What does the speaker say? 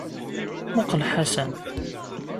Muqel Ḥasan.